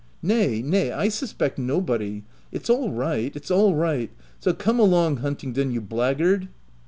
u Nay, nay, I suspect nobody. It's all right — it's all right. So come along Huntingdon, you blackguard."